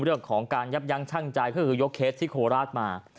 เรื่องของการยับยั้งชั่งใจก็คือยกเคสที่โคราชมา